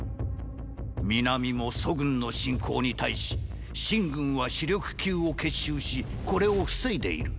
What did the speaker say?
南も楚軍の侵攻に対し秦軍は主力級を結集しこれを防いでいる。